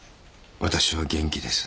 「私は元気です。